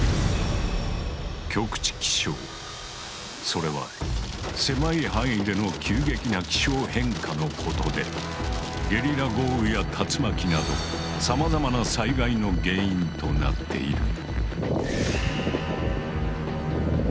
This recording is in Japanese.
それは狭い範囲での急激な気象変化のことでゲリラ豪雨や竜巻などさまざまな災害の原因となっている。